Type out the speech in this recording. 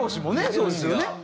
そうですよね。